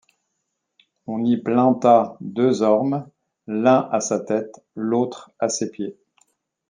On y planta deux ormes, l'un à sa tête, l'autre à ses pieds.